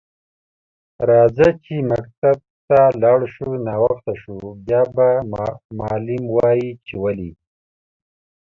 راځه چی مکتب ته لاړ شو ناوخته شو بیا به معلم وایی چی ولی